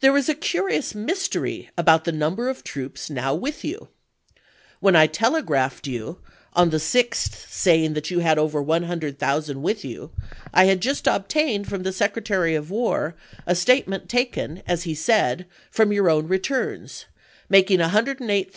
There is a curious mystery about the number of troops now with you. When I telegraphed you on the 6th say ing you had over 100,000 with you, I had just obtained from the Secretary of War a statement taken, as he said, from your own returns, making 108,000 then with you and en route to you.